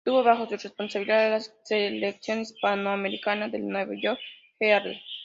Tuvo bajo su responsabilidad la sección hispanoamericana del "New York Herald".